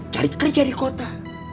cari kerja di kota